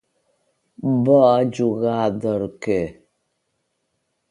Va jugar d'arquer.